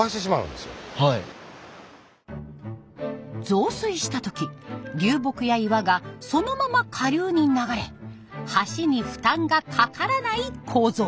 増水した時流木や岩がそのまま下流に流れ橋に負担がかからない構造。